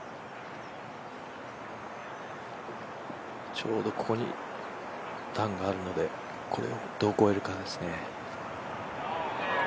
ちょうどここに段があるので、これをどう越えるかですね。